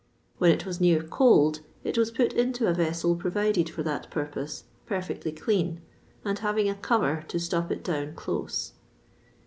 When it was near cold, it was put into a vessel provided for that purpose, perfectly clean, and having a cover to stop it down close.